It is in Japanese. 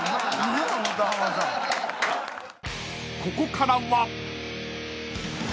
［ここからは］